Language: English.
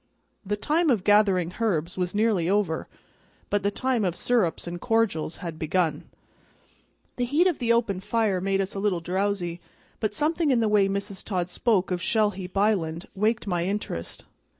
The time of gathering herbs was nearly over, but the time of syrups and cordials had begun. The heat of the open fire made us a little drowsy, but something in the way Mrs. Todd spoke of Shell heap Island waked my interest.